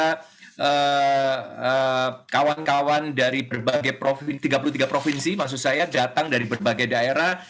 karena ada tiga puluh tiga kawan kawan dari tiga puluh tiga provinsi maksud saya datang dari berbagai daerah